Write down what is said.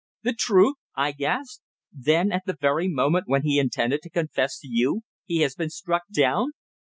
"The truth!" I gasped. "Then at the very moment when he intended to confess to you he has been struck down."